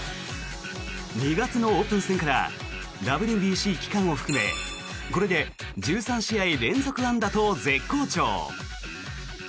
２月のオープン戦からＷＢＣ期間を含めこれで１３試合連続安打と絶好調。